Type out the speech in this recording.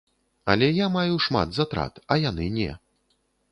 Але я маю шмат затрат, а яны не.